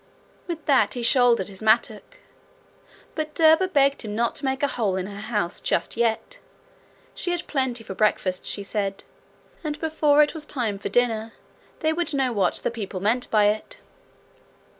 With that he shouldered his mattock. But Derba begged him not to make a hole in her house just yet. She had plenty for breakfast, she said, and before it was time for dinner they would know what the people meant by it.